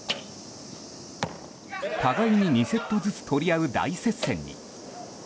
互いに２セットずつ取り合う大接戦に。